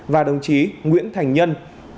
và đồng chí nguyễn thành nhân